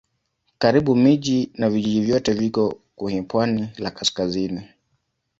Karibu miji na vijiji vyote viko kwenye pwani la kaskazini.